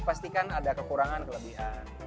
pastikan ada kekurangan kelebihan